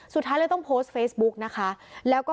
สุดท้ายเลยต้องโพสต์เฟซบุ๊กนะคะแล้วก็